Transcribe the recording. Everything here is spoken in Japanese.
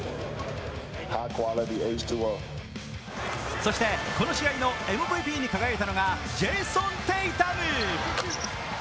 そしてこの試合のＭＶＰに輝いたのがジェイソン・テイタム。